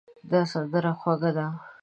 دا سندره خوږه ده.